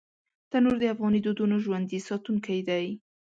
تنور د افغاني دودونو ژوندي ساتونکی دی